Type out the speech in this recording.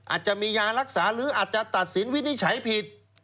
อาจจะมียารักษาหรืออาจจะตัดสินวินิจฉัยผิด